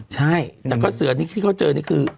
ใช่แต่ก็เสือนี่ที่เขาเจอนี่คือ